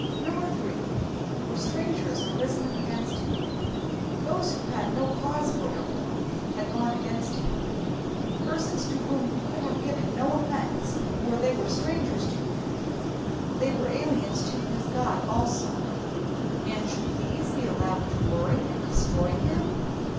8. ^^For strangers are risen up against me,'''' Those who had no cause for ill will had gone against him ; persons to whom he could have given no offence, for they were strangers to him. They were aliens to his God also, and should these be allowed to worry and destroy him.